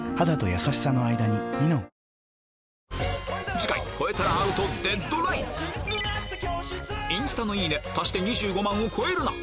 次回超えたらアウトデッドラインインスタのいいね足して２５万を超えるな！